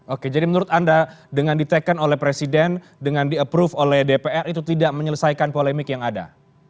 oke jadi menurut anda dengan ditekan oleh presiden dengan di approve oleh dpr itu tidak menyelesaikan polemik yang ada